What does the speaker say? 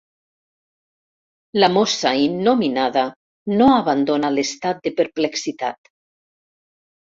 La mossa innominada no abandona l'estat de perplexitat.